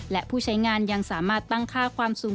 และผู้ใช้งานยังสามารถตั้งค่าความสูง